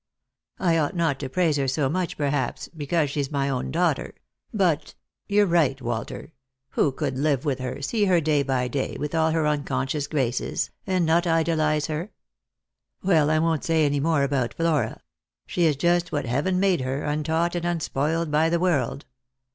I ought not to praise her so much, perhaps, because she's my own daughter — but — you're right, "Walter — who could live with her — see her day by day, miusi j or ±jovb. 149 with all her unconscious graces — and not idolize her? Well, I won't say any more about Flora. She is just what Heaven made her, untaught and unspoiled by the world.